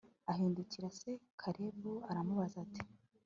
ahindukirira se; kalebu aramubaza ati